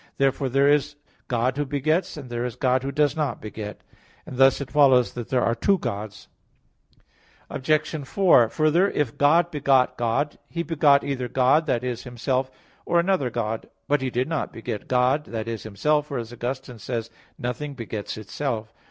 Therefore there is God who begets, and there is God who does not beget; and thus it follows that there are two Gods. Obj. 4: Further, if "God begot God," He begot either God, that is Himself, or another God. But He did not beget God, that is Himself; for, as Augustine says (De Trin. i, 1), "nothing begets itself."